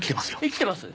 生きてます？